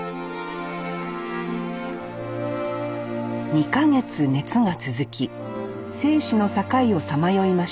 ２か月熱が続き生死の境をさまよいました。